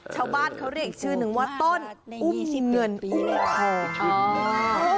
ชาวบ้านเขาเรียกชื่อหนึ่งว่าต้นอุ่มเงินอุ่ม